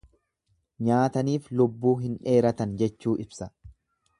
Nyaataniif lubbuu hin dheeratan jechuu ibsa.